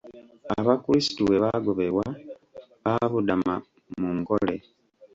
Abakirstu bwe baagobebwa, baabudama mu Nkole.